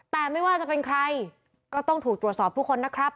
แต่ไม่ว่าจะเป็นใครก็ต้องถูกตรวจสอบทุกคนนะครับ